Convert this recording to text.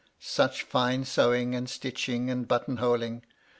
Such fine sewing, and stitching, and button holing!